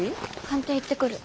官邸行ってくる。